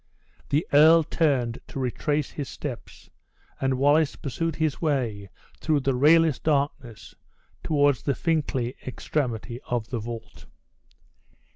The earl turned to retrace his steps, and Wallace pursued his way through the rayless darkness toward the Fincklay extremity of the vault.